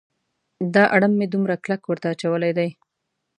دا اړم مې دومره کلک ورته اچولی دی.